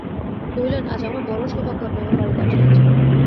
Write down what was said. কহিলেন, আজ আমার বড়ো সৌভাগ্য, আপনি আমার বাড়িতে আসিয়াছেন।